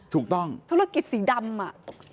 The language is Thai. ถูกต้องธุรกิจสีดำอ่ะ